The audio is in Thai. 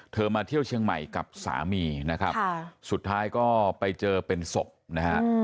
มาเที่ยวเชียงใหม่กับสามีนะครับสุดท้ายก็ไปเจอเป็นศพนะฮะ